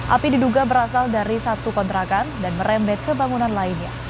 api diduga berasal dari satu kontrakan dan merembet ke bangunan lainnya